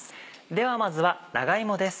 ではまずは長芋です。